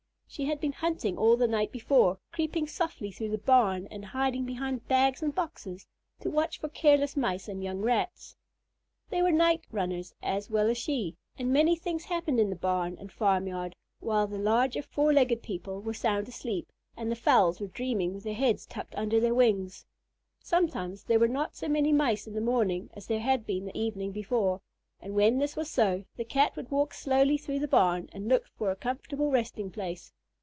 She had been hunting all the night before, creeping softly through the barn and hiding behind bags and boxes to watch for careless Mice and young Rats. They were night runners as well as she, and many things happened in the barn and farmyard while the larger four legged people were sound asleep and the fowls were dreaming with their heads tucked under their wings. Sometimes there were not so many Mice in the morning as there had been the evening before, and when this was so, the Cat would walk slowly through the barn and look for a comfortable resting place.